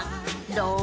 「どう？